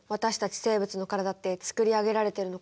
生物の体ってつくり上げられてるのかなあ。